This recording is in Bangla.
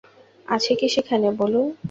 আছে কি সেখানে, বলুন?